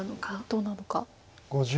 どうなのか。